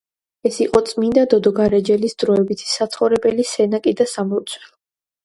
ეს იყო წმინდა დოდო გარეჯელის დროებითი საცხოვრებელი სენაკი და სამლოცველო.